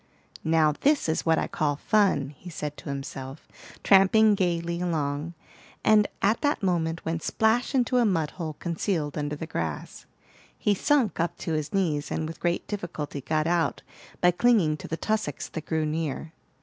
"Now this is what I call fun," he said to himself, tramping gayly along, and at that moment went splash into a mud hole concealed under the grass. He sunk up to his knees, and with great difficulty got out by clinging to the tussocks that grew near.